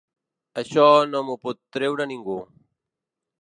Això no m’ho pot treure ningú.